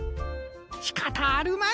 しかたあるまい。